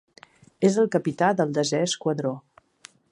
És el capità del desè esquadró.